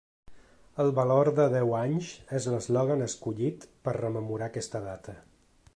“El valor de deu anys” és l’eslògan escollit per rememorar aquesta data.